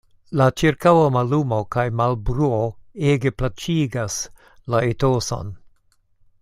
La ĉirkaŭa mallumo kaj malbruo ege plaĉigas la etoson.